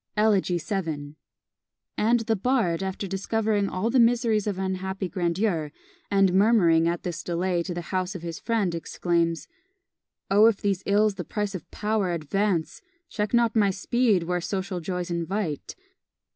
Elegy vii. And the bard, after discovering all the miseries of unhappy grandeur, and murmuring at this delay to the house of his friend, exclaims Oh if these ills the price of power advance, Check not my speed where social joys invite!